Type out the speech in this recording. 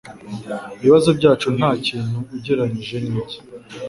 Ibibazo byacu ntakintu ugereranije nibye